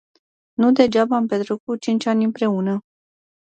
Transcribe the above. Nu degeaba am petrecut cinci ani împreună.